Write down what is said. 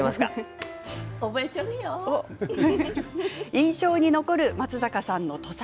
印象に残る松坂さんの土佐